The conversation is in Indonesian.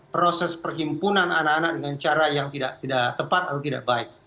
proses perhimpunan anak anak dengan cara yang tidak tepat atau tidak baik